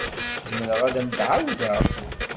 Zemreɣ ad am-d-ɛawdeɣ?